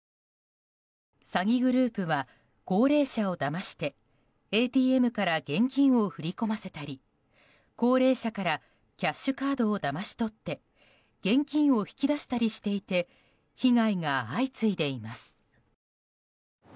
詐欺グループは高齢者をだましてＡＴＭから現金を振り込ませたり高齢者からキャッシュカードをだまし取って現金を引き出したりしていて被害が相次いでいます。